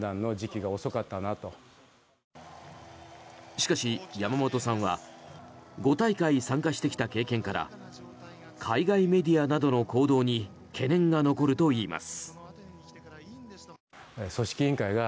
しかし、山本さんは５大会に参加してきた経験から海外メディアなどの行動に懸念が残るといいます。